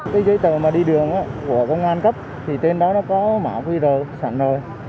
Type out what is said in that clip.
cái giấy tờ đi đường của công an cấp tên đó có mã qr sẵn rồi